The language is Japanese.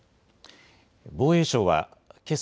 防衛省はけさ